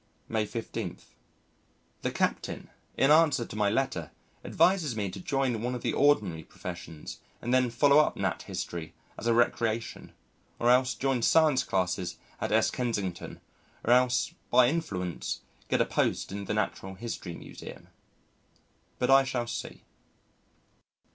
May 15. The Captain, in answer to my letter, advises me to join one of the ordinary professions and then follow up Nat. History as a recreation, or else join Science Classes at S. Kensington, or else by influence get a post in the Natural History Museum. But I shall see.